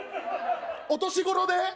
お年頃で？